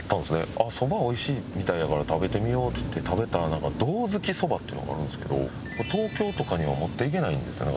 あっそば美味しいみたいやから食べてみようっつって食べたらなんかどうづきそばっていうのがあるんですけど東京とかには持っていけないんですよね。